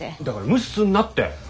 だから無視すんなって！